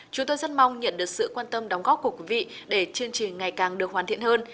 chúng tôi rất mong nhận được sự quan tâm đóng góp của quý vị để chương trình ngày càng được hoàn thiện hơn